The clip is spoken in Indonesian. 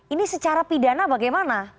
ini secara pidana bagaimana